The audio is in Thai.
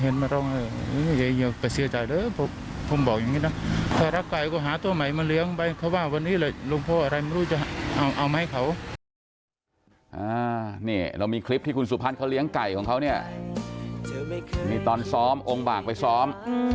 นี่เรามีคลิปที่คุณสุพรรณเขาเลี้ยงไก่ของเขาเนี่ยมีตอนซ้อมองค์บากไปซ้อม